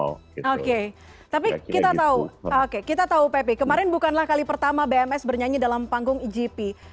oke tapi kita tahu kita tahu peppy kemarin bukanlah kali pertama bms bernyanyi dalam panggung egp